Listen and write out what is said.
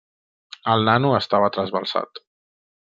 El nano estava trasbalsat.